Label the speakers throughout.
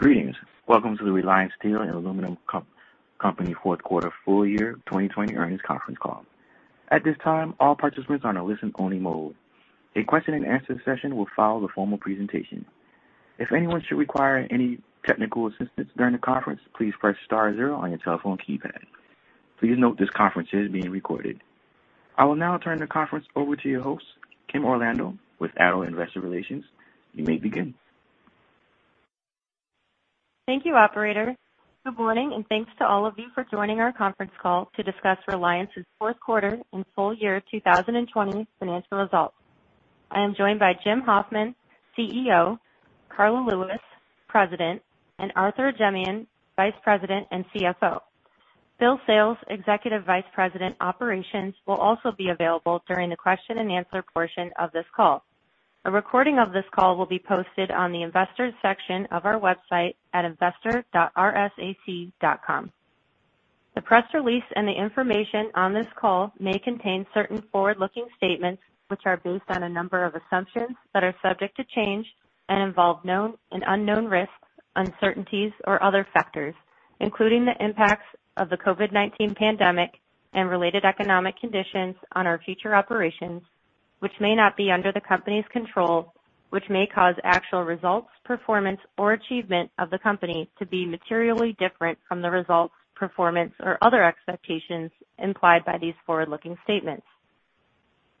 Speaker 1: Greetings. Welcome to the Reliance Steel & Aluminum Co. fourth quarter full year 2020 earnings conference call. At this time, all participants are in a listen-only mode. A question and answer session will follow the formal presentation. If anyone should require any technical assistance during the conference, please press star zero on your telephone keypad. Please note this conference is being recorded. I will now turn the conference over to your host, Kim Orlando with ADDO Investor Relations. You may begin.
Speaker 2: Thank you, operator. Good morning, and thanks to all of you for joining our conference call to discuss Reliance's fourth quarter and full year 2020 financial results. I am joined by Jim Hoffman, CEO, Karla Lewis, President, and Arthur Ajemyan, Vice President and CFO. Bill Sales, Executive Vice President, Operations, will also be available during the question and answer portion of this call. A recording of this call will be posted on the investors section of our website at investor.rsac.com. The press release and the information on this call may contain certain forward-looking statements which are based on a number of assumptions that are subject to change and involve known and unknown risks, uncertainties, or other factors, including the impacts of the COVID-19 pandemic and related economic conditions on our future operations, which may not be under the company's control, which may cause actual results, performance, or achievement of the company to be materially different from the results, performance, or other expectations implied by these forward-looking statements.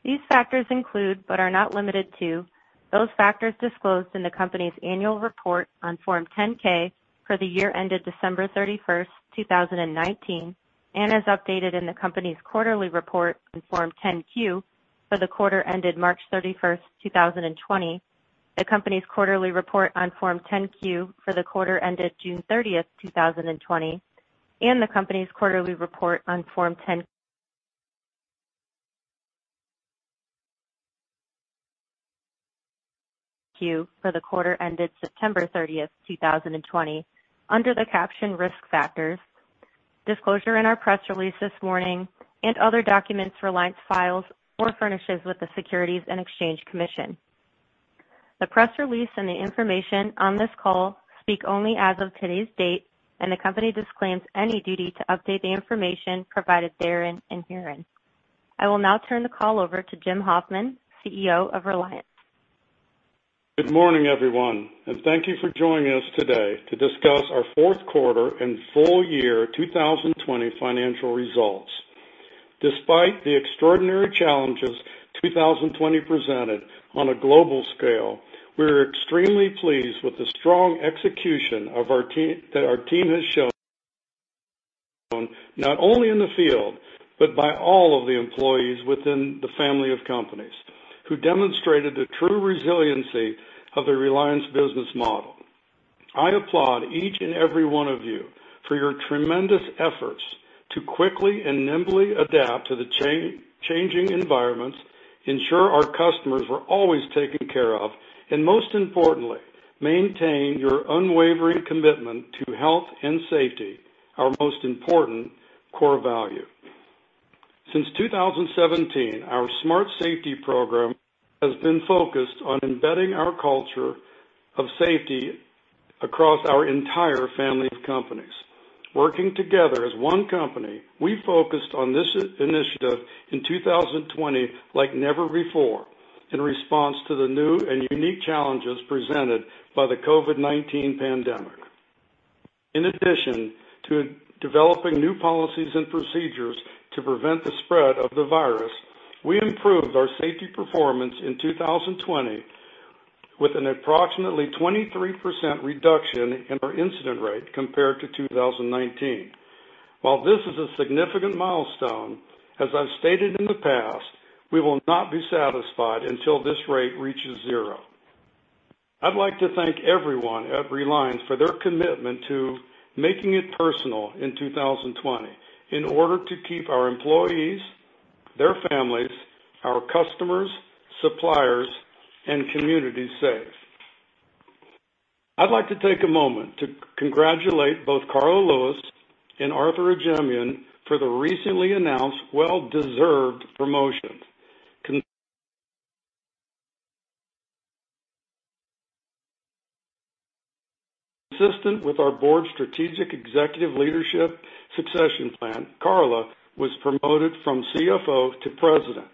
Speaker 2: These factors include, but are not limited to, those factors disclosed in the company's annual report on Form 10-K for the year ended December 31st, 2019, and as updated in the company's quarterly report on Form 10-Q for the quarter ended March 31st, 2020, the company's quarterly report on Form 10-Q for the quarter ended June 30th, 2020, and the company's quarterly report on Form 10-Q for the quarter ended September 30th, 2020 under the caption Risk Factors, disclosure in our press release this morning, and other documents Reliance files or furnishes with the Securities and Exchange Commission. The press release and the information on this call speak only as of today's date, and the company disclaims any duty to update the information provided therein and herein. I will now turn the call over to Jim Hoffman, CEO of Reliance.
Speaker 3: Good morning, everyone, and thank you for joining us today to discuss our fourth quarter and full year 2020 financial results. Despite the extraordinary challenges 2020 presented on a global scale, we're extremely pleased with the strong execution that our team has shown, not only in the field, but by all of the employees within the family of companies who demonstrated the true resiliency of the Reliance business model. I applaud each and every one of you for your tremendous efforts to quickly and nimbly adapt to the changing environments, ensure our customers were always taken care of, and most importantly, maintain your unwavering commitment to health and safety, our most important core value. Since 2017, our SMART Safety program has been focused on embedding our culture of safety across our entire family of companies. Working together as one company, we focused on this initiative in 2020 like never before in response to the new and unique challenges presented by the COVID-19 pandemic. In addition to developing new policies and procedures to prevent the spread of the virus, we improved our safety performance in 2020 with an approximately 23% reduction in our incident rate compared to 2019. While this is a significant milestone, as I've stated in the past, we will not be satisfied until this rate reaches zero. I'd like to thank everyone at Reliance for their commitment to making it personal in 2020 in order to keep our employees, their families, our customers, suppliers, and communities safe. I'd like to take a moment to congratulate both Karla Lewis and Arthur Ajemyan for the recently announced well-deserved promotions. Consistent with our board strategic executive leadership succession plan, Karla was promoted from CFO to President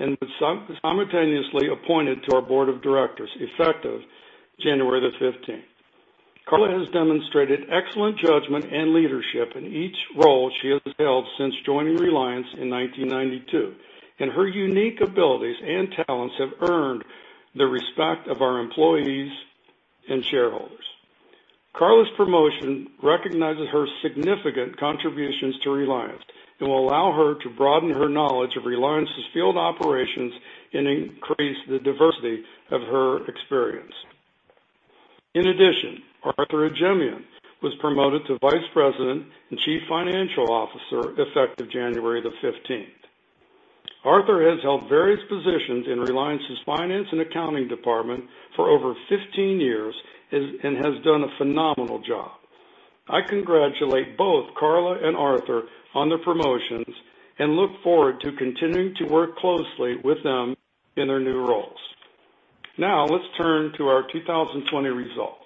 Speaker 3: and was simultaneously appointed to our board of directors effective January the 15th. Karla has demonstrated excellent judgment and leadership in each role she has held since joining Reliance in 1992, and her unique abilities and talents have earned the respect of our employees and shareholders. Karla's promotion recognizes her significant contributions to Reliance and will allow her to broaden her knowledge of Reliance's field operations and increase the diversity of her experience. In addition, Arthur Ajemyan was promoted to Vice President and Chief Financial Officer effective January the 15th. Arthur has held various positions in Reliance's finance and accounting department for over 15 years and has done a phenomenal job. I congratulate both Karla and Arthur on their promotions, and look forward to continuing to work closely with them in their new roles. Now let's turn to our 2020 results.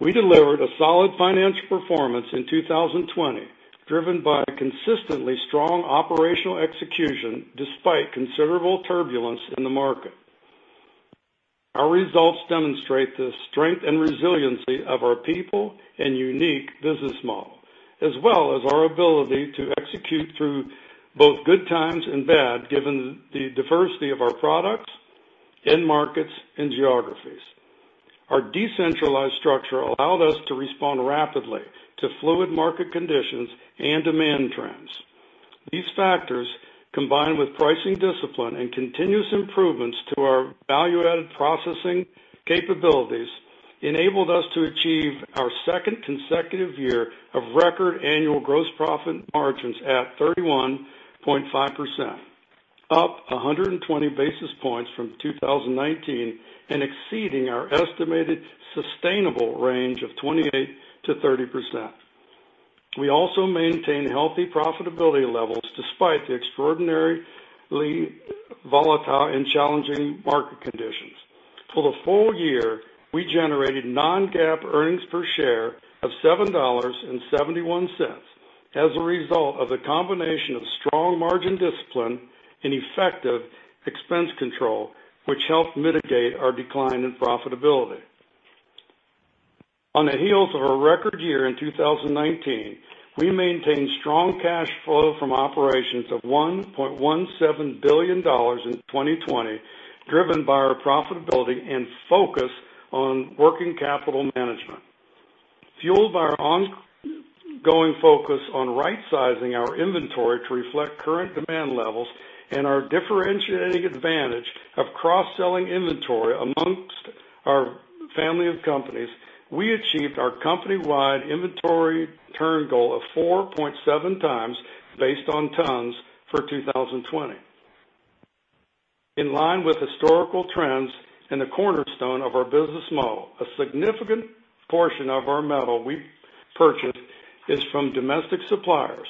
Speaker 3: We delivered a solid financial performance in 2020, driven by consistently strong operational execution despite considerable turbulence in the market. Our results demonstrate the strength and resiliency of our people and unique business model, as well as our ability to execute through both good times and bad, given the diversity of our products, end markets, and geographies. Our decentralized structure allowed us to respond rapidly to fluid market conditions and demand trends. These factors, combined with pricing discipline and continuous improvements to our value-added processing capabilities, enabled us to achieve our second consecutive year of record annual gross profit margins at 31.5%, up 120 basis points from 2019 and exceeding our estimated sustainable range of 28%-30%. We also maintain healthy profitability levels despite the extraordinarily volatile and challenging market conditions. For the full year, we generated non-GAAP earnings per share of $7.71 as a result of the combination of strong margin discipline and effective expense control, which helped mitigate our decline in profitability. On the heels of a record year in 2019, we maintained strong cash flow from operations of $1.17 billion in 2020, driven by our profitability and focus on working capital management. Fueled by our ongoing focus on rightsizing our inventory to reflect current demand levels and our differentiating advantage of cross-selling inventory amongst our family of companies, we achieved our company-wide inventory turn goal of 4.7x based on tons for 2020. In line with historical trends and the cornerstone of our business model, a significant portion of our metal we purchased is from domestic suppliers,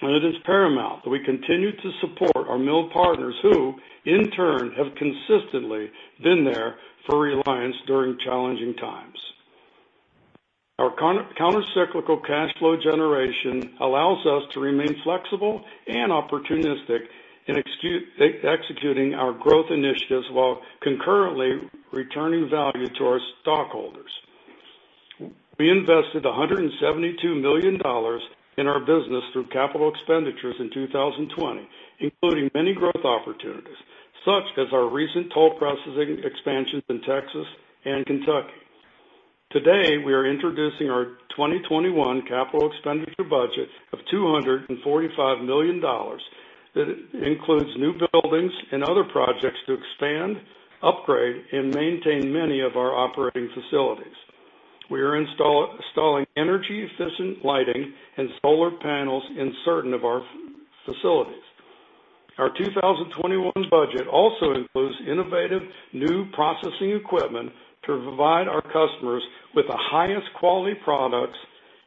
Speaker 3: and it is paramount that we continue to support our mill partners who, in turn, have consistently been there for Reliance during challenging times. Our countercyclical cash flow generation allows us to remain flexible and opportunistic in executing our growth initiatives while concurrently returning value to our stockholders. We invested $172 million in our business through capital expenditures in 2020, including many growth opportunities, such as our recent toll processing expansions in Texas and Kentucky. Today, we are introducing our 2021 capital expenditure budget of $245 million. That includes new buildings and other projects to expand, upgrade, and maintain many of our operating facilities. We are installing energy-efficient lighting and solar panels in certain of our facilities. Our 2021 budget also includes innovative new processing equipment to provide our customers with the highest quality products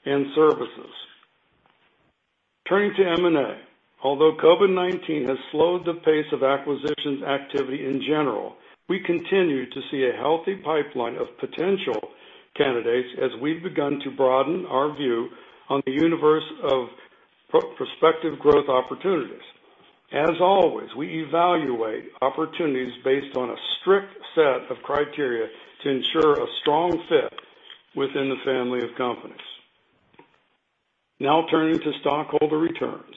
Speaker 3: and services. Turning to M&A. Although COVID-19 has slowed the pace of acquisitions activity in general, we continue to see a healthy pipeline of potential candidates as we've begun to broaden our view on the universe of prospective growth opportunities. As always, we evaluate opportunities based on a strict set of criteria to ensure a strong fit within the family of companies. Now turning to stockholder returns.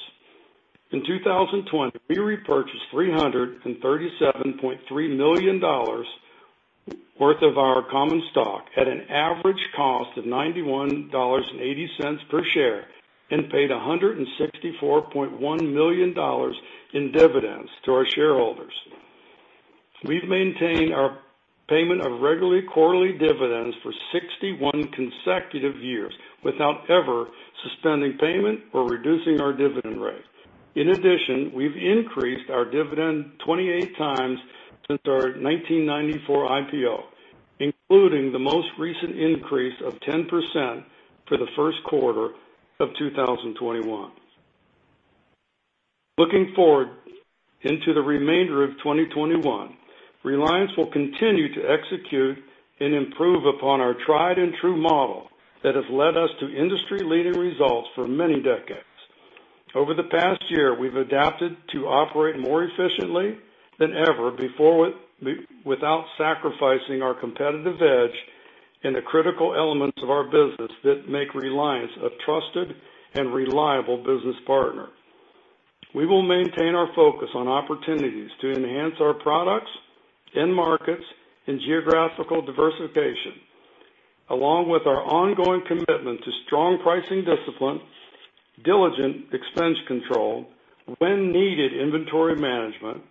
Speaker 3: In 2020, we repurchased $337.3 million worth of our common stock at an average cost of $91.80 per share and paid $164.1 million in dividends to our shareholders. We've maintained our payment of regular quarterly dividends for 61 consecutive years without ever suspending payment or reducing our dividend rate. In addition, we've increased our dividend 28 times since our 1994 IPO, including the most recent increase of 10% for the first quarter of 2021. Looking forward into the remainder of 2021, Reliance will continue to execute and improve upon our tried-and-true model that has led us to industry-leading results for many decades. Over the past year, we've adapted to operate more efficiently than ever before without sacrificing our competitive edge in the critical elements of our business that make Reliance a trusted and reliable business partner. We will maintain our focus on opportunities to enhance our products, end markets, and geographical diversification, along with our ongoing commitment to strong pricing discipline, diligent expense control, when needed, inventory management,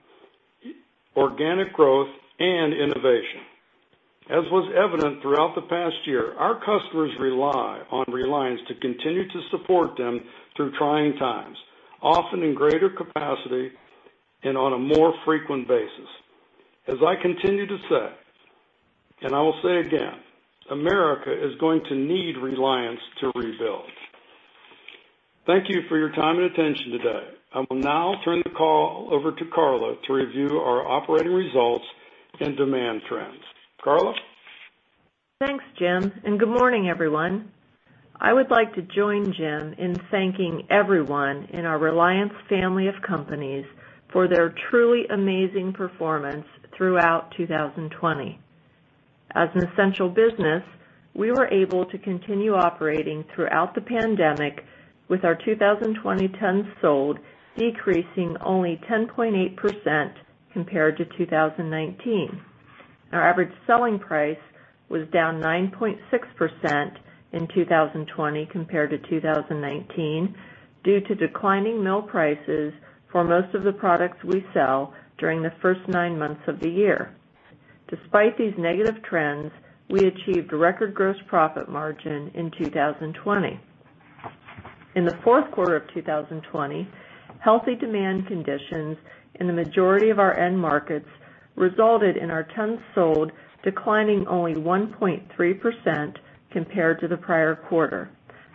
Speaker 3: organic growth, and innovation. As was evident throughout the past year, our customers rely on Reliance to continue to support them through trying times, often in greater capacity and on a more frequent basis. As I continue to say, and I will say again, America is going to need Reliance to rebuild. Thank you for your time and attention today. I will now turn the call over to Karla to review our operating results and demand trends. Karla?
Speaker 4: Thanks, Jim. Good morning, everyone. I would like to join Jim in thanking everyone in our Reliance family of companies for their truly amazing performance throughout 2020. As an essential business, we were able to continue operating throughout the pandemic with our 2020 tons sold decreasing only 10.8% compared to 2019. Our average selling price was down 9.6% in 2020 compared to 2019 due to declining mill prices for most of the products we sell during the first nine months of the year. Despite these negative trends, we achieved a record gross profit margin in 2020. In the fourth quarter of 2020, healthy demand conditions in the majority of our end markets resulted in our tons sold declining only 1.3% compared to the prior quarter.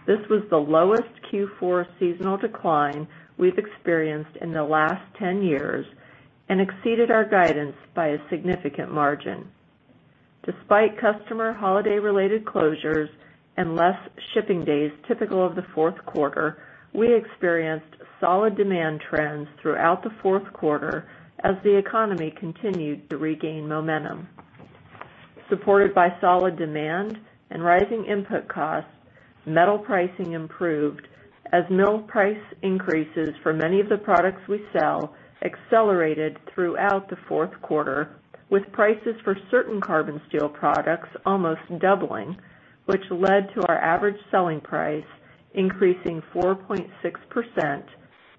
Speaker 4: This was the lowest Q4 seasonal decline we've experienced in the last 10 years and exceeded our guidance by a significant margin. Despite customer holiday-related closures and less shipping days typical of the fourth quarter, we experienced solid demand trends throughout the fourth quarter as the economy continued to regain momentum. Supported by solid demand and rising input costs, metal pricing improved as mill price increases for many of the products we sell accelerated throughout the fourth quarter with prices for certain carbon steel products almost doubling, which led to our average selling price increasing 4.6%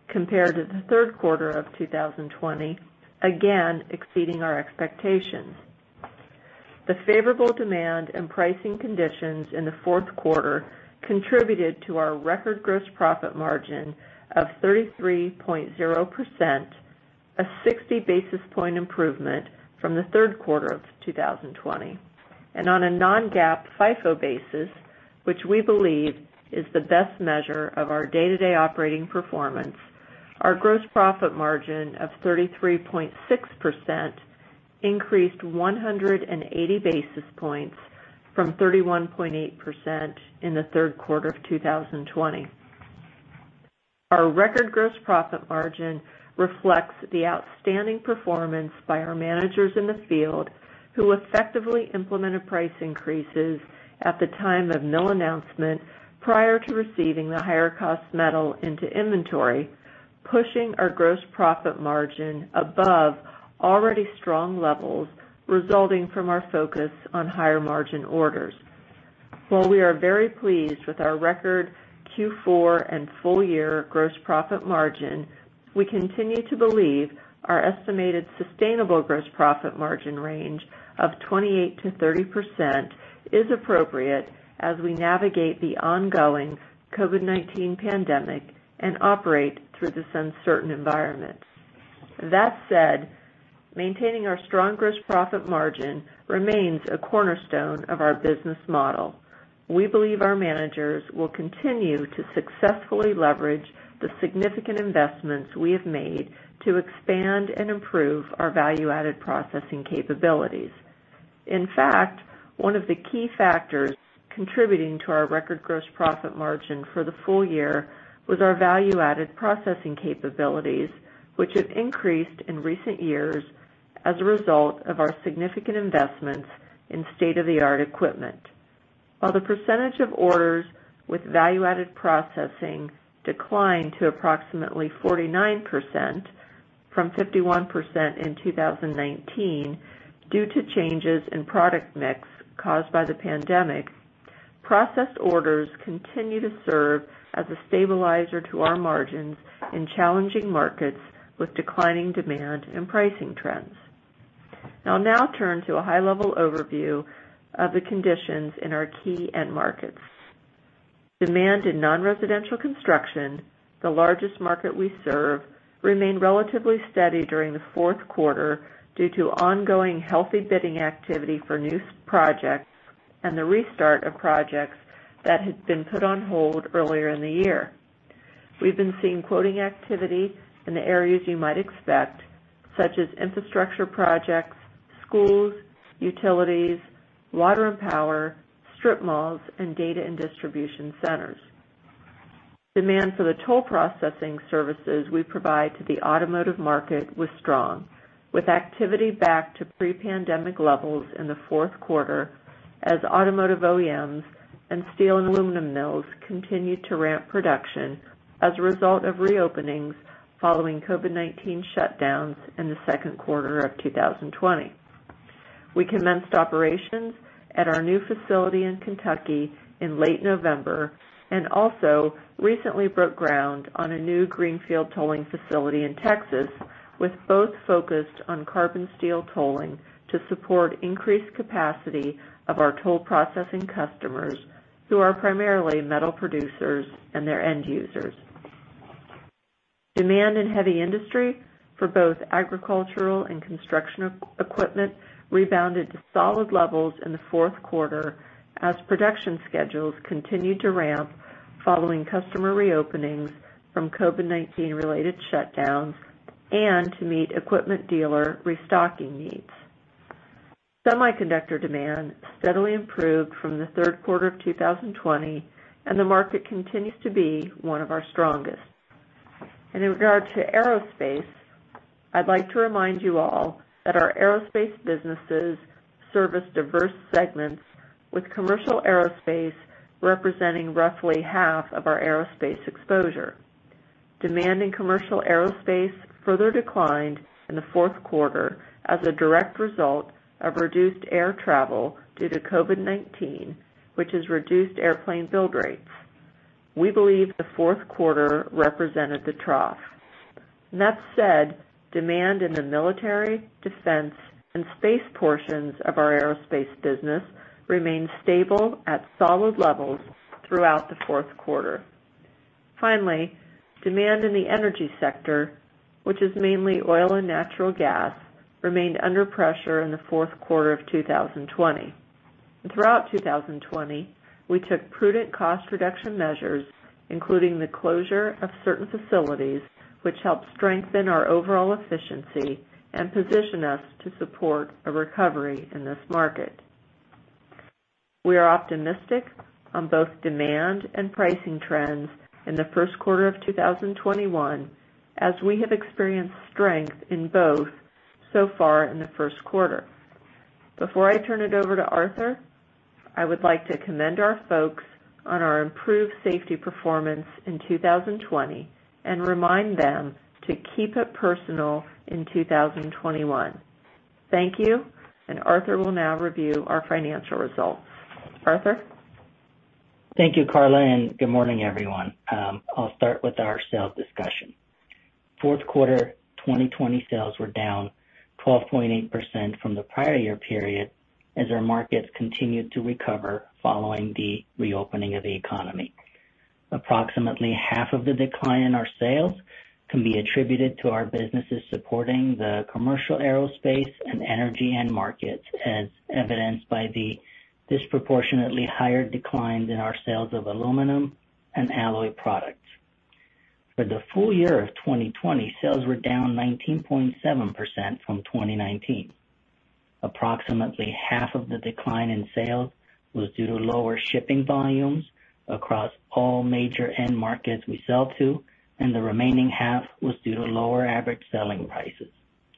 Speaker 4: compared to the third quarter of 2020, again exceeding our expectations. The favorable demand and pricing conditions in the fourth quarter contributed to our record gross profit margin of 33.0%, a 60 basis point improvement from the third quarter of 2020. On a non-GAAP FIFO basis, which we believe is the best measure of our day-to-day operating performance, our gross profit margin of 33.6% increased 180 basis points from 31.8% in the third quarter of 2020. Our record gross profit margin reflects the outstanding performance by our managers in the field, who effectively implemented price increases at the time of mill announcement prior to receiving the higher cost metal into inventory, pushing our gross profit margin above already strong levels resulting from our focus on higher margin orders. While we are very pleased with our record Q4 and full-year gross profit margin, we continue to believe our estimated sustainable gross profit margin range of 28%-30% is appropriate as we navigate the ongoing COVID-19 pandemic and operate through this uncertain environment. That said, maintaining our strong gross profit margin remains a cornerstone of our business model. We believe our managers will continue to successfully leverage the significant investments we have made to expand and improve our value-added processing capabilities. In fact, one of the key factors contributing to our record gross profit margin for the full year was our value-added processing capabilities, which have increased in recent years as a result of our significant investments in state-of-the-art equipment. While the percentage of orders with value-added processing declined to approximately 49% from 51% in 2019 due to changes in product mix caused by the pandemic, processed orders continue to serve as a stabilizer to our margins in challenging markets with declining demand and pricing trends. I'll now turn to a high-level overview of the conditions in our key end markets. Demand in non-residential construction, the largest market we serve, remained relatively steady during the fourth quarter due to ongoing healthy bidding activity for new projects and the restart of projects that had been put on hold earlier in the year. We've been seeing quoting activity in the areas you might expect, such as infrastructure projects, schools, utilities, water and power, strip malls, and data and distribution centers. Demand for the toll processing services we provide to the automotive market was strong, with activity back to pre-pandemic levels in the fourth quarter as automotive OEMs and steel and aluminum mills continued to ramp production as a result of reopenings following COVID-19 shutdowns in the second quarter of 2020. We commenced operations at our new facility in Kentucky in late November and also recently broke ground on a new greenfield tolling facility in Texas with both focused on carbon steel tolling to support increased capacity of our toll processing customers, who are primarily metal producers and their end users. Demand in heavy industry for both agricultural and construction equipment rebounded to solid levels in the fourth quarter as production schedules continued to ramp following customer reopenings from COVID-19 related shutdowns, and to meet equipment dealer restocking needs. Semiconductor demand steadily improved from the third quarter of 2020, the market continues to be one of our strongest. In regard to aerospace, I'd like to remind you all that our aerospace businesses service diverse segments, with commercial aerospace representing roughly half of our aerospace exposure. Demand in commercial aerospace further declined in the fourth quarter as a direct result of reduced air travel due to COVID-19, which has reduced airplane build rates. We believe the fourth quarter represented the trough. That said, demand in the military, defense, and space portions of our aerospace business remained stable at solid levels throughout the fourth quarter. Finally, demand in the energy sector, which is mainly oil and natural gas, remained under pressure in the fourth quarter of 2020. Throughout 2020, we took prudent cost reduction measures, including the closure of certain facilities, which helped strengthen our overall efficiency and position us to support a recovery in this market. We are optimistic on both demand and pricing trends in the first quarter of 2021, as we have experienced strength in both so far in the first quarter. Before I turn it over to Arthur, I would like to commend our folks on our improved safety performance in 2020, and remind them to keep it personal in 2021. Thank you. Arthur will now review our financial results. Arthur?
Speaker 5: Thank you, Karla, Good morning, everyone. I'll start with our sales discussion. Fourth quarter 2020 sales were down 12.8% from the prior year period as our markets continued to recover following the reopening of the economy. Approximately half of the decline in our sales can be attributed to our businesses supporting the commercial aerospace and energy end markets, as evidenced by the disproportionately higher declines in our sales of aluminum and alloy products. For the full year of 2020, sales were down 19.7% from 2019. Approximately half of the decline in sales was due to lower shipping volumes across all major end markets we sell to, and the remaining half was due to lower average selling prices.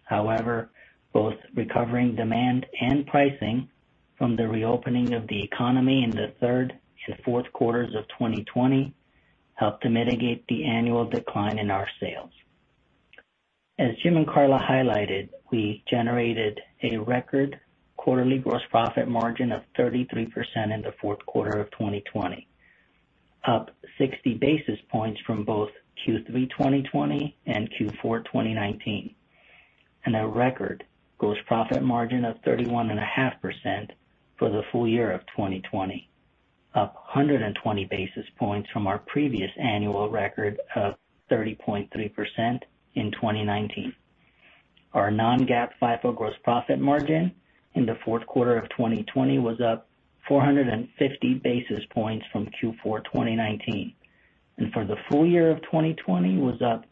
Speaker 5: However, both recovering demand and pricing from the reopening of the economy in the third to fourth quarters of 2020 helped to mitigate the annual decline in our sales. As Jim and Karla highlighted, we generated a record quarterly gross profit margin of 33% in the fourth quarter of 2020, up 60 basis points from both Q3 2020 and Q4 2019. A record gross profit margin of 31.5% for the full year of 2020, up 120 basis points from our previous annual record of 30.3% in 2019. Our non-GAAP FIFO gross profit margin in the fourth quarter of 2020 was up 450 basis points from Q4 2019. For the full year of 2020, was up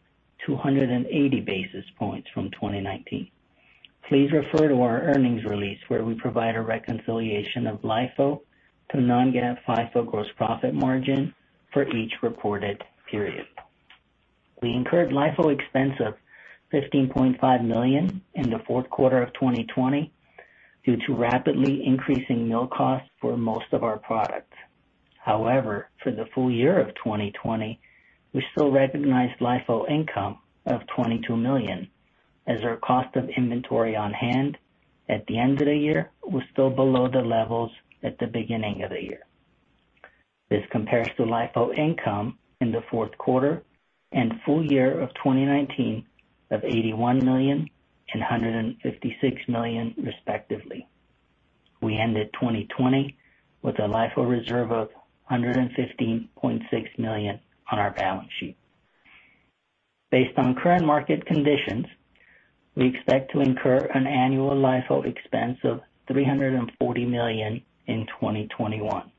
Speaker 5: 280 basis points from 2019. Please refer to our earnings release, where we provide a reconciliation of LIFO to non-GAAP FIFO gross profit margin for each reported period. We incurred LIFO expense of $15.5 million in the fourth quarter of 2020 due to rapidly increasing mill costs for most of our products. However, for the full year of 2020, we still recognized LIFO income of $22 million as our cost of inventory on hand at the end of the year was still below the levels at the beginning of the year. This compares to LIFO income in the fourth quarter and full year of 2019 of $81 million and $156 million, respectively. We ended 2020 with a LIFO reserve of $115.6 million on our balance sheet. Based on current market conditions, we expect to incur an annual LIFO expense of $340 million in 2021.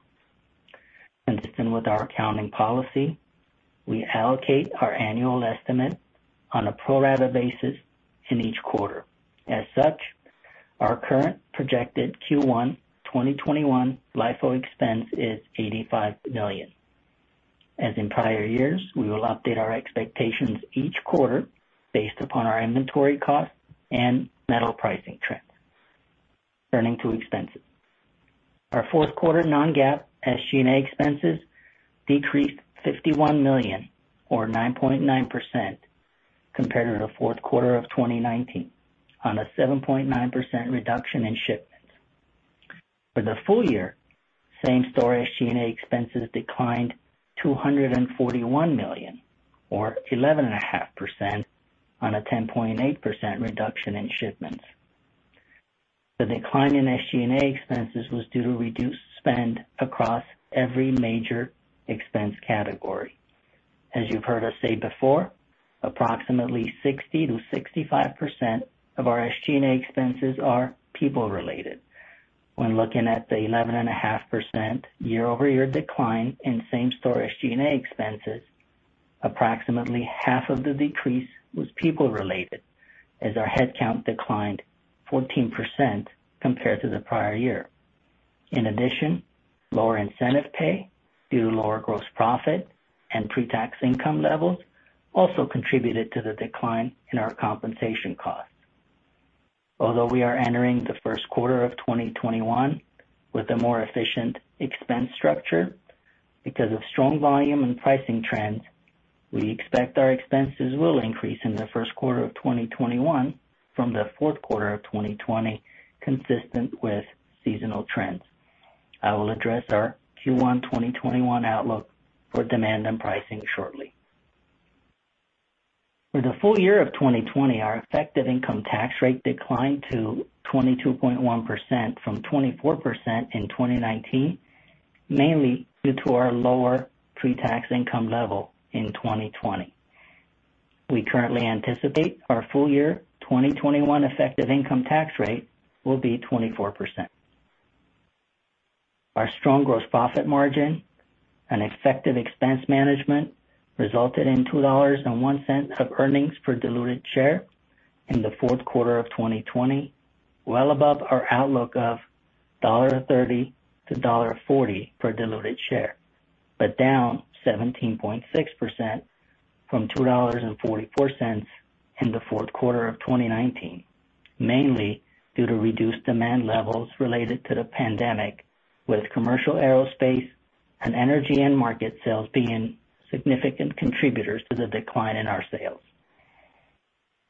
Speaker 5: Consistent with our accounting policy, we allocate our annual estimate on a pro rata basis in each quarter. Our current projected Q1 2021 LIFO expense is $85 million. As in prior years, we will update our expectations each quarter based upon our inventory costs and metal pricing trends. Turning to expenses. Our fourth quarter non-GAAP SG&A expenses decreased $51 million or 9.9% compared to the fourth quarter of 2019 on a 7.9% reduction in shipments. For the full year, same story, SG&A expenses declined $241 million or 11.5% on a 10.8% reduction in shipments. The decline in SG&A expenses was due to reduced spend across every major expense category. As you've heard us say before, approximately 60%-65% of our SG&A expenses are people related. When looking at the 11.5% year-over-year decline in same-store SG&A expenses, approximately half of the decrease was people related, as our head count declined 14% compared to the prior year. In addition, lower incentive pay due to lower gross profit and pre-tax income levels also contributed to the decline in our compensation costs. Although we are entering the first quarter of 2021 with a more efficient expense structure, because of strong volume and pricing trends, we expect our expenses will increase in the first quarter of 2021 from the fourth quarter of 2020, consistent with seasonal trends. I will address our Q1 2021 outlook for demand and pricing shortly. For the full year of 2020, our effective income tax rate declined to 22.1% from 24% in 2019, mainly due to our lower pre-tax income level in 2020. We currently anticipate our full year 2021 effective income tax rate will be 24%. Our strong gross profit margin and effective expense management resulted in $2.01 of earnings per diluted share in the fourth quarter of 2020, well above our outlook of $1.30-$1.40 per diluted share, but down 17.6% from $2.44 in the fourth quarter of 2019, mainly due to reduced demand levels related to the pandemic, with commercial aerospace and energy end market sales being significant contributors to the decline in our sales.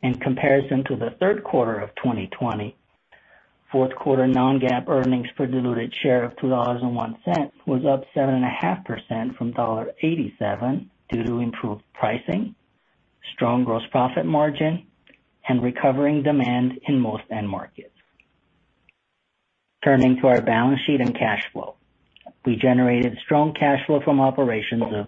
Speaker 5: In comparison to the third quarter of 2020, fourth quarter non-GAAP earnings per diluted share of $2.01 was up 7.5% from $1.87, due to improved pricing, strong gross profit margin, and recovering demand in most end markets. Turning to our balance sheet and cash flow. We generated strong cash flow from operations of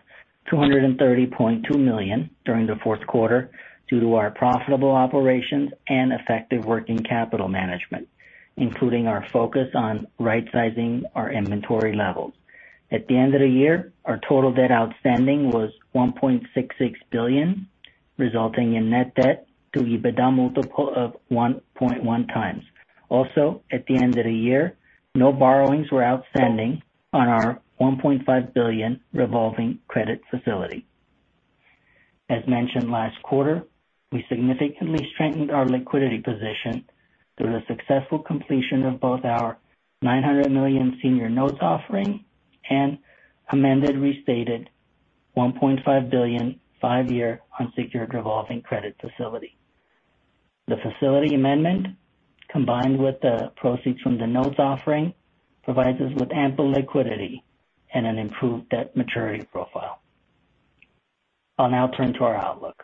Speaker 5: $230.2 million during the fourth quarter due to our profitable operations and effective working capital management, including our focus on right-sizing our inventory levels. At the end of the year, our total debt outstanding was $1.66 billion, resulting in net debt to EBITDA multiple of 1.1x. Also, at the end of the year, no borrowings were outstanding on our $1.5 billion revolving credit facility. As mentioned last quarter, we significantly strengthened our liquidity position through the successful completion of both our $900 million senior notes offering and amended, restated $1.5 billion five-year unsecured revolving credit facility. The facility amendment, combined with the proceeds from the notes offering, provides us with ample liquidity and an improved debt maturity profile. I'll now turn to our outlook.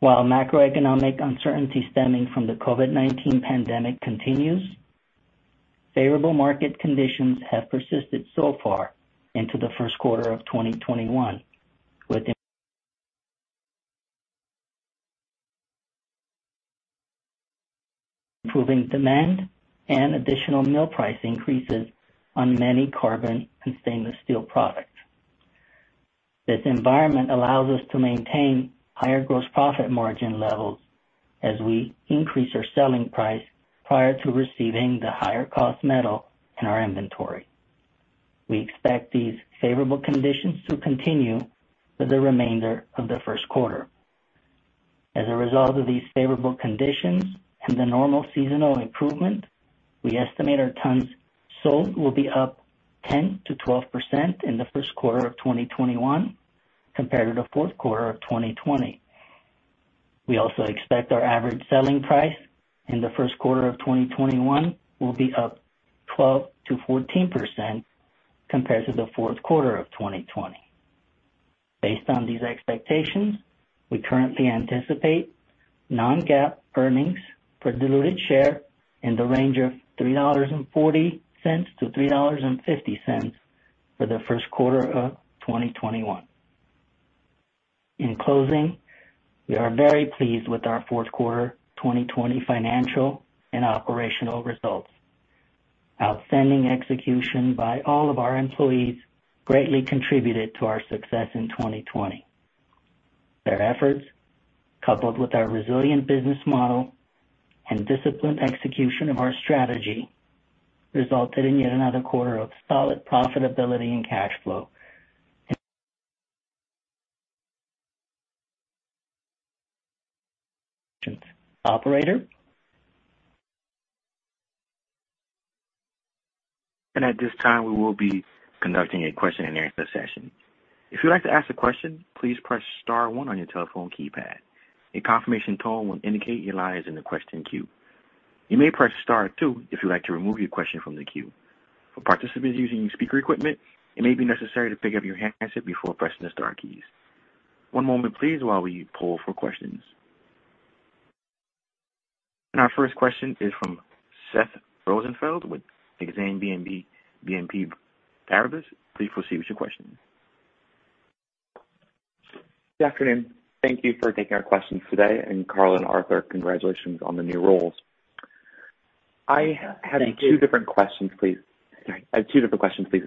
Speaker 5: While macroeconomic uncertainty stemming from the COVID-19 pandemic continues, favorable market conditions have persisted so far into the first quarter of 2021, with improving demand and additional mill price increases on many carbon and stainless steel products. This environment allows us to maintain higher gross profit margin levels as we increase our selling price prior to receiving the higher cost metal in our inventory. We expect these favorable conditions to continue for the remainder of the first quarter. As a result of these favorable conditions and the normal seasonal improvement, we estimate our tons sold will be up 10%-12% in the first quarter of 2021 compared to the fourth quarter of 2020. We also expect our average selling price in the first quarter of 2021 will be up 12%-14% compared to the fourth quarter of 2020. Based on these expectations, we currently anticipate non-GAAP earnings per diluted share in the range of $3.40 to $3.50 for the first quarter of 2021. In closing, we are very pleased with our fourth quarter 2020 financial and operational results. Outstanding execution by all of our employees greatly contributed to our success in 2020. Their efforts, coupled with our resilient business model and disciplined execution of our strategy, resulted in yet another quarter of solid profitability and cash flow. Operator?
Speaker 1: At this time, we will be conducting a question and answer session. If you'd like to ask a question, please press star one on your telephone keypad. A confirmation tone will indicate you lie in the question queue. You may press star two if you'd like to remove your question from the queue. For participants using speaker equipment, it may be necessary to pick up your handset before pressing the star keys. One moment please, while we pull for questions. Our first question is from Seth Rosenfeld with Exane BNP Paribas. Please proceed with your question.
Speaker 6: Good afternoon. Thank you for taking our questions today. Karla and Arthur, congratulations on the new roles.
Speaker 5: Thank you.
Speaker 6: I have two different questions, please.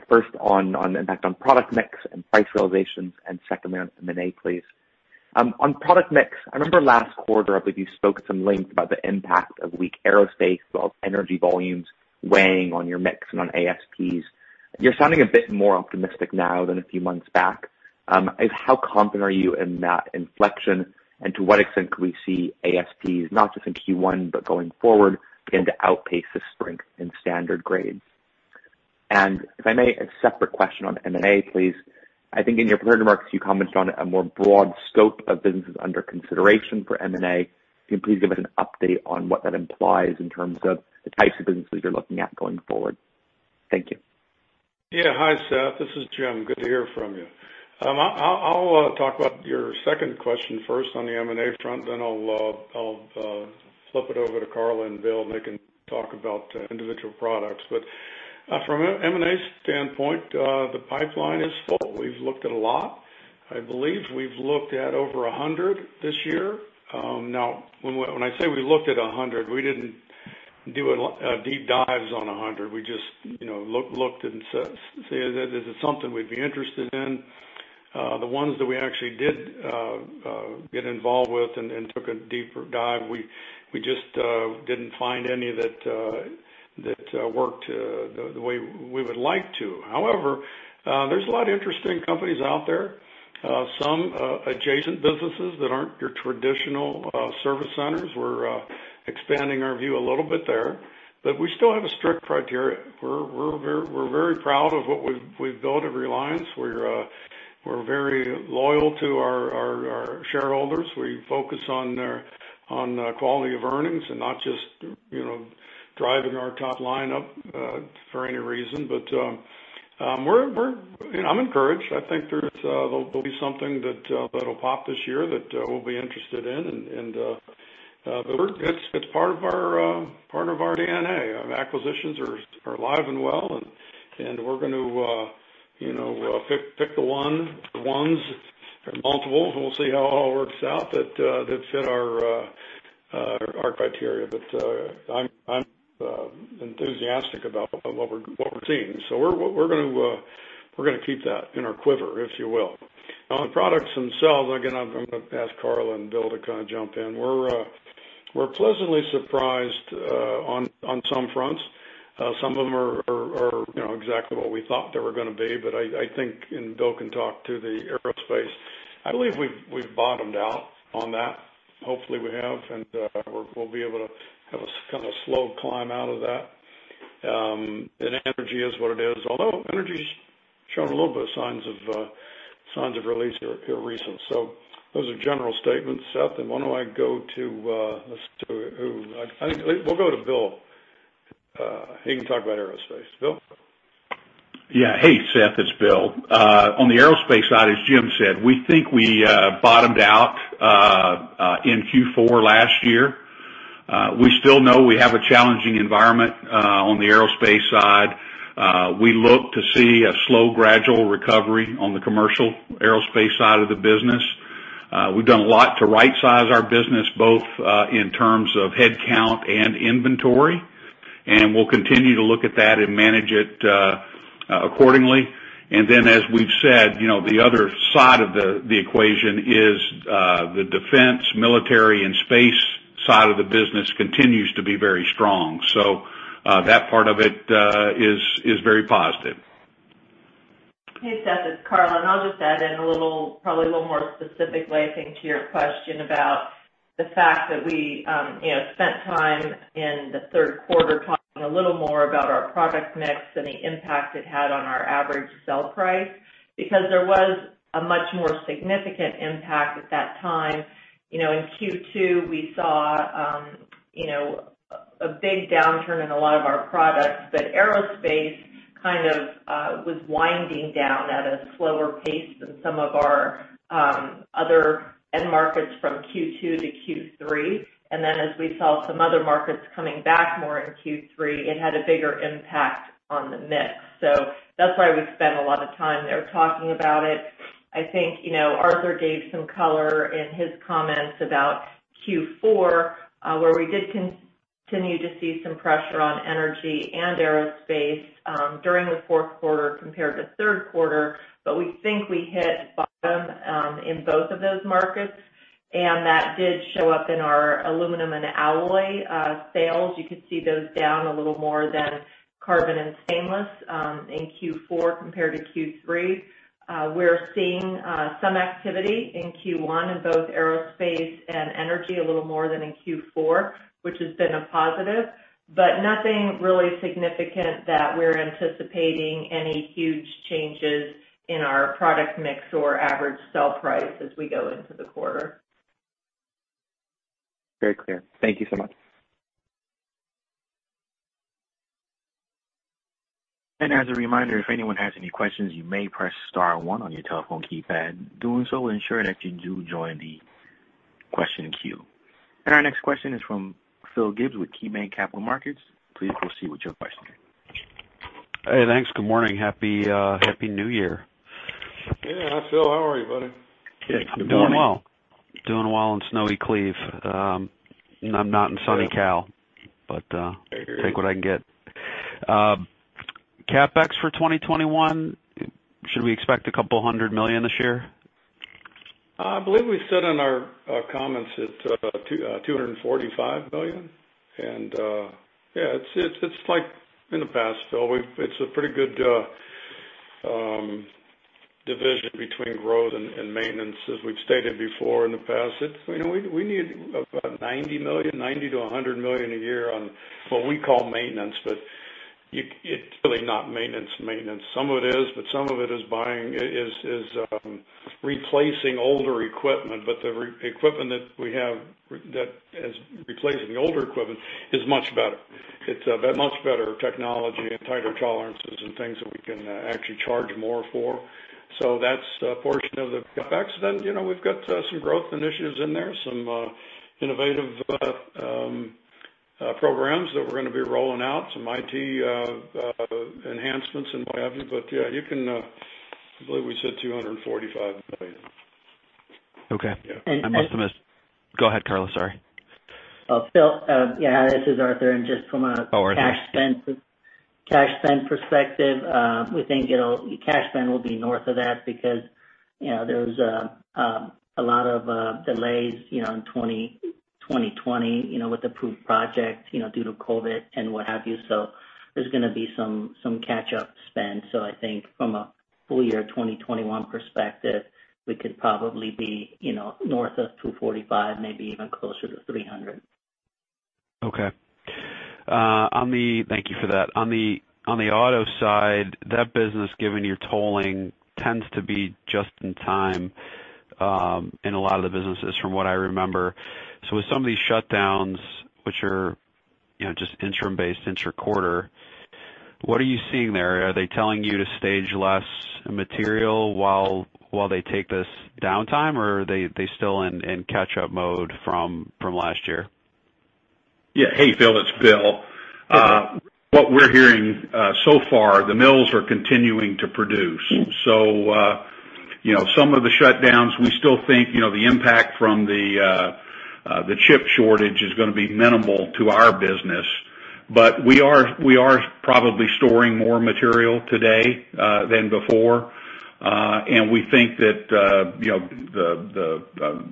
Speaker 6: First on impact on product mix and price realizations, and second on M&A, please. On product mix, I remember last quarter, I believe you spoke at some length about the impact of weak aerospace as well as energy volumes weighing on your mix and on ASPs. You're sounding a bit more optimistic now than a few months back. How confident are you in that inflection, and to what extent could we see ASPs, not just in Q1 but going forward, begin to outpace the strength in standard grades? If I may, a separate question on M&A, please. I think in your prepared remarks, you commented on a more broad scope of businesses under consideration for M&A. Can you please give us an update on what that implies in terms of the types of businesses you're looking at going forward? Thank you.
Speaker 3: Yeah. Hi, Seth. This is Jim. Good to hear from you. I'll talk about your second question first on the M&A front, then I'll flip it over to Karla and Bill, and they can talk about individual products. From an M&A standpoint, the pipeline is full. We've looked at a lot. I believe we've looked at over 100 this year. Now, when I say we looked at 100, we didn't do deep dives on 100. We just looked and said, "Is it something we'd be interested in?" The ones that we actually did get involved with and took a deeper dive, we just didn't find any that worked the way we would like to. However, there's a lot of interesting companies out there, some adjacent businesses that aren't your traditional service centers. We're expanding our view a little bit there. We still have a strict criteria. We're very proud of what we've built at Reliance. We're very loyal to our shareholders. We focus on quality of earnings and not just driving our top line up for any reason. I'm encouraged. I think there'll be something that'll pop this year that we'll be interested in. It's part of our DNA. Acquisitions are alive and well, and we're going to pick the one, ones, or multiples, we'll see how it all works out, that fit our criteria. I'm enthusiastic about what we're seeing. We're going to keep that in our quiver, if you will. On the products themselves, again, I'm going to ask Karla and Bill to kind of jump in. We're pleasantly surprised on some fronts. Some of them are exactly what we thought they were going to be, but I think Bill can talk to the aerospace. I believe we've bottomed out on that. Hopefully, we have, and we'll be able to have a kind of slow climb out of that. Energy is what it is. Although energy's shown a little bit of signs of release here recent. Those are general statements, Seth. Why don't I go to Bill? He can talk about aerospace. Bill?
Speaker 7: Yeah. Hey, Seth, it's Bill. On the aerospace side, as Jim said, we think we bottomed out in Q4 last year. We still know we have a challenging environment on the aerospace side. We look to see a slow gradual recovery on the commercial aerospace side of the business. We've done a lot to rightsize our business, both in terms of headcount and inventory, and we'll continue to look at that and manage it accordingly. As we've said, the other side of the equation is the defense, military, and space side of the business continues to be very strong. So that part of it is very positive.
Speaker 4: Hey, Seth, it's Karla, I'll just add in probably a little more specifically, I think, to your question about the fact that we spent time in the third quarter talking a little more about our product mix and the impact it had on our average sell price, because there was a much more significant impact at that time. In Q2, we saw a big downturn in a lot of our products, but aerospace kind of was winding down at a slower pace than some of our other end markets from Q2 to Q3. As we saw some other markets coming back more in Q3, it had a bigger impact on the mix. That's why we spent a lot of time there talking about it. I think Arthur gave some color in his comments about Q4, where we did continue to see some pressure on energy and aerospace during the fourth quarter compared to third quarter. We think we hit bottom in both of those markets, and that did show up in our aluminum and alloy sales. You could see those down a little more than carbon and stainless in Q4 compared to Q3. We're seeing some activity in Q1 in both aerospace and energy, a little more than in Q4, which has been a positive, but nothing really significant that we're anticipating any huge changes in our product mix or average sell price as we go into the quarter.
Speaker 6: Very clear. Thank you so much.
Speaker 1: As a reminder, if anyone has any questions, you may press star one on your telephone keypad. Doing so will ensure that you do join the question queue. Our next question is from Philip Gibbs with KeyBanc Capital Markets. Please proceed with your question.
Speaker 8: Hey, thanks. Good morning. Happy New Year.
Speaker 3: Yeah. Hi, Phil. How are you, buddy?
Speaker 8: I'm doing well. Doing well in snowy Cleveland. I'm not in sunny California.
Speaker 3: I hear you.
Speaker 8: I take what I can get. CapEx for 2021, should we expect a couple hundred million this year?
Speaker 3: I believe we said in our comments it's $245 million. Yeah, it's like in the past, Phil, it's a pretty good division between growth and maintenance. As we've stated before in the past, we need about $90 million to $100 million a year on what we call maintenance, but it's really not maintenance. Some of it is, but some of it is replacing older equipment. The equipment that we have that is replacing the older equipment is much better. It's a much better technology and tighter tolerances and things that we can actually charge more for. That's a portion of the CapEx. We've got some growth initiatives in there, some innovative programs that we're going to be rolling out, some IT enhancements and what have you. Yeah, I believe we said $245 million.
Speaker 8: Okay.
Speaker 3: Yeah.
Speaker 6: I must have missed. Go ahead, Karla. Sorry.
Speaker 5: Phil, yeah, this is Arthur.
Speaker 8: Oh, Arthur.
Speaker 5: From a cash spend perspective, we think cash spend will be north of that because there's a lot of delays in 2020 with approved projects due to COVID and what have you. There's going to be some catch-up spend. I think from a full year 2021 perspective, we could probably be north of $245 million, maybe even closer to $300 million.
Speaker 8: Okay. Thank you for that. On the auto side, that business, given your tolling, tends to be just in time in a lot of the businesses, from what I remember. With some of these shutdowns, which are just interim-based, inter-quarter, what are you seeing there? Are they telling you to stage less material while they take this downtime, or are they still in catch-up mode from last year?
Speaker 7: Yeah. Hey, Phil, it's Bill.
Speaker 8: Hey, Bill.
Speaker 7: What we're hearing so far, the mills are continuing to produce. Some of the shutdowns, we still think the impact from the chip shortage is going to be minimal to our business. We are probably storing more material today than before. We think that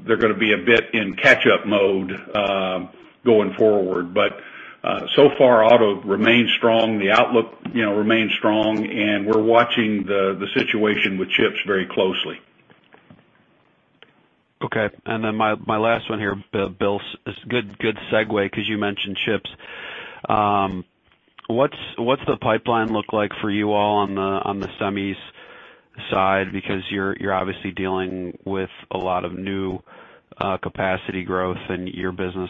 Speaker 7: they're going to be a bit in catch-up mode going forward. So far, auto remains strong, the outlook remains strong, and we're watching the situation with chips very closely.
Speaker 8: Okay, my last one here, Bill. It's a good segue because you mentioned chips. What's the pipeline look like for you all on the semis side? You're obviously dealing with a lot of new capacity growth, and your business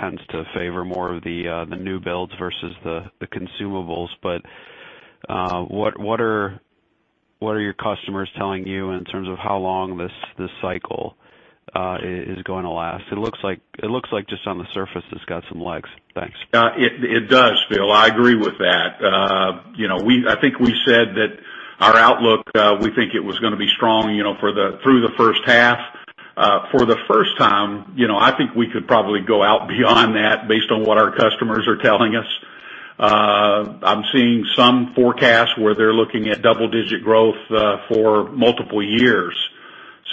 Speaker 8: tends to favor more of the new builds versus the consumables. What are your customers telling you in terms of how long this cycle is going to last? It looks like just on the surface, it's got some legs. Thanks.
Speaker 7: It does, Phil. I agree with that. I think we said that our outlook, we think it was going to be strong through the first half. For the first time, I think we could probably go out beyond that based on what our customers are telling us. I'm seeing some forecasts where they're looking at double-digit growth for multiple years.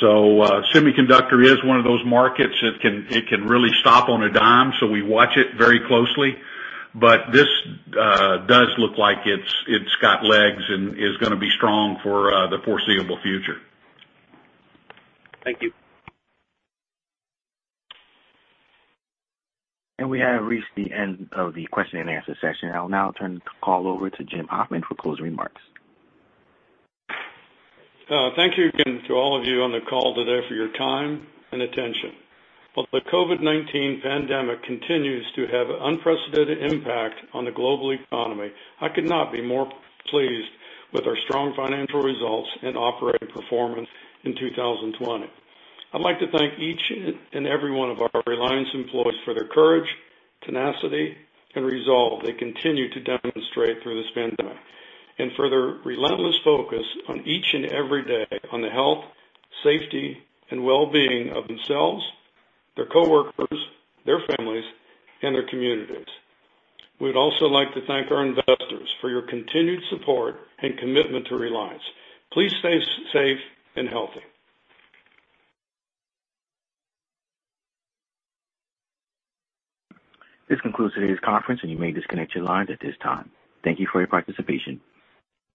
Speaker 7: Semiconductor is one of those markets that it can really stop on a dime, so we watch it very closely. This does look like it's got legs and is going to be strong for the foreseeable future.
Speaker 8: Thank you.
Speaker 1: We have reached the end of the question and answer session. I'll now turn the call over to Jim Hoffman for closing remarks.
Speaker 3: Thank you again to all of you on the call today for your time and attention. While the COVID-19 pandemic continues to have an unprecedented impact on the global economy, I could not be more pleased with our strong financial results and operating performance in 2020. I'd like to thank each and every one of our Reliance employees for their courage, tenacity, and resolve they continue to demonstrate through this pandemic, and for their relentless focus on each and every day on the health, safety, and wellbeing of themselves, their coworkers, their families, and their communities. We would also like to thank our investors for your continued support and commitment to Reliance. Please stay safe and healthy.
Speaker 1: This concludes today's conference, and you may disconnect your lines at this time. Thank you for your participation.